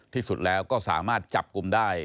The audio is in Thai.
ที่สุดแล้วก็สามารถจับกลุ่มได้